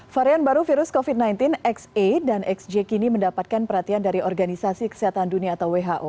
varian baru virus covid sembilan belas xa dan xj kini mendapatkan perhatian dari organisasi kesehatan dunia atau who